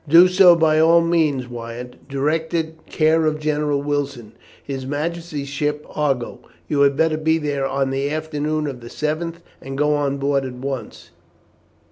"Do so by all means, Wyatt. Direct it 'Care of General Wilson, His Majesty's ship Argo.' You had better be there on the afternoon of the 7th, and go on board at once.